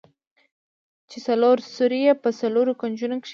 چې څلور سوري يې په څلورو کونجونو کښې.